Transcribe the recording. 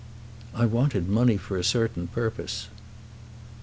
"I wanted money for a certain purpose."